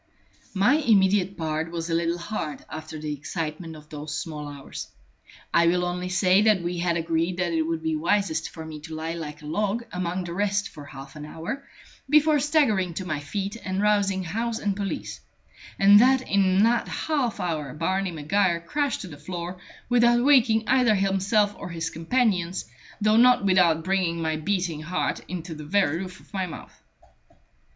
My immediate part was a little hard after the excitement of those small hours. I will only say that we had agreed that it would be wisest for me to lie like a log among the rest for half an hour, before staggering to my feet and rousing house and police; and that in that half hour Barney Maguire crashed to the floor, without waking either himself or his companions, though not without bringing my beating heart into the very roof of my mouth.